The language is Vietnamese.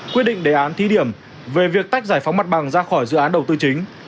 quyết định đề án thí điểm về việc tách giải phóng mặt bằng ra khỏi dự án đầu tư chính